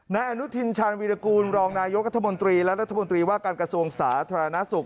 นายอนุทินชาญวีรกูลรองนายกัธมนตรีและรัฐมนตรีว่าการกระทรวงสาธารณสุข